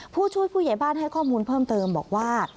ผู้ช่วยผู้ใหญ่บ้านให้ข้อมูลเพิ่มเติมบอกว่า